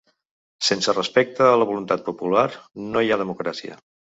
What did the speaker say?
Sense respecte a la voluntat popular no hi ha democràcia.